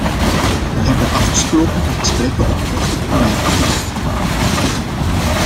We hebben afgesproken de gesprekken op korte termijn te vervolgen.